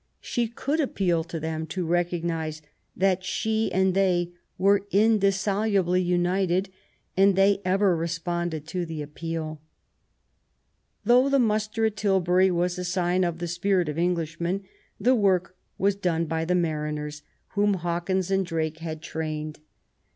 She could appeal to 236 QUEEN ELIZABETH. them to recognise that she and they were indissolubly united, and they ever responded to the appeal. Though the muster at Tilbury was a sign of the spirit of Englishmen, the work was done by the mariners whom Hawkins and Drake had trained.